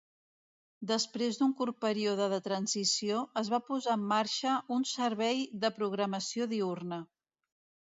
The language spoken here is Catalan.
Després d'un curt període de transició, es va posar en marxa un servei de programació diürna.